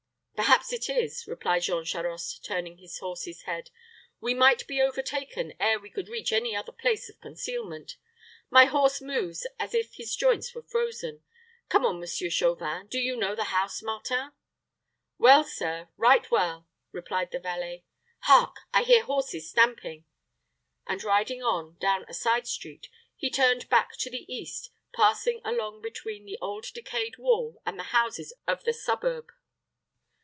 "Perhaps it is," replied Jean Charost, turning his horse's head. "We might be overtaken ere we could reach any other place of concealment. My horse moves as if his joints were frozen. Come on, Monsieur Chauvin. Do you know the house, Martin?" "Well, sir right well," replied the valet. "Hark! I hear horses stamping;" and riding on, down a side street, he turned back to the east, passing along between the old decayed wall and the houses of the suburb.